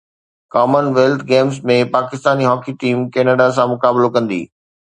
ڪمن wealth Games ۾ Pakistani hockey team Canada سان مقابلو ڪندي